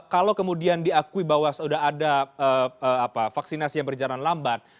kalau kemudian diakui bahwa sudah ada vaksinasi yang berjalan lambat